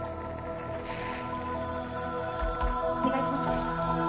お願いします。